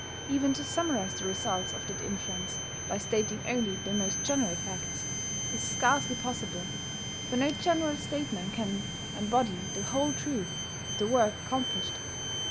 Even to summarize the results of that influence by stating only the most general facts, is scarcely possible, for no general statement can embody the whole truth of the work accomplished.